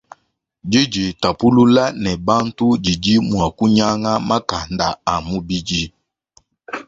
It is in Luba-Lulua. Diditapulula ne bantu didi mua kunyanga makanda a mubidi.